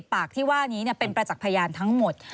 ปากที่ว่านี้เป็นประจักษ์พยานทั้งหมด